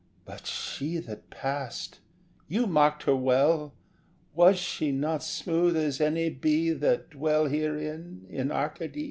But she that passed you marked her well. Was she not smooth as any be That dwell herein in Arcady?